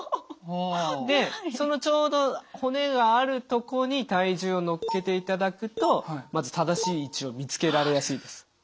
でそのちょうど骨があるとこに体重を乗っけていただくとまず正しい位置を見つけられやすいです。